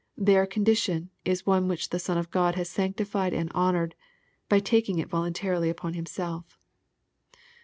Their condition is one which the Son of God has sanctified and honored, by taking it voluntarily on Himself.